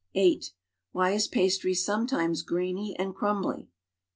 (8) Why is pastry sometimes grainy and crumbly?